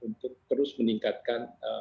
untuk terus meningkatkan